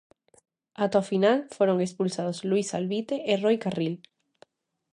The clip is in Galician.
Ata o final, foron expulsados Luís Alvite e Roi Carril.